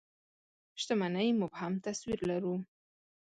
شتمنۍ مبهم تصوير لرو.